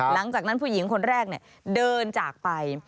หลังจากนั้นผู้หญิงคนแรกเดินจากไป